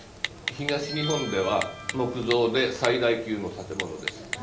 東日本では木造で最大級の建物です。